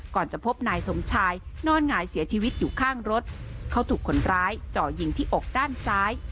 จะพบนายสมชายนอนหงายเสียชีวิตอยู่ข้างรถเขาถูกคนร้ายจ่อยิงที่อกด้านซ้าย